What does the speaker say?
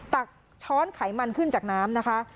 ตักช้อนไขมันขึ้นจากน้ำนะคะ